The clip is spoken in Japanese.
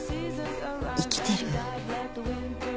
生きてる？